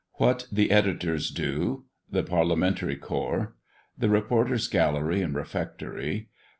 WHAT THE EDITORS DO. THE PARLIAMENTARY CORPS. THE REPORTER'S GALLERY AND REFECTORY.